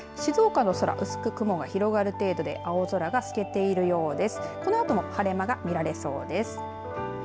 静岡の空、薄く雲が広がる程度で青空が透けているようです。